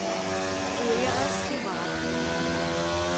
Uriɣ-as tibratin.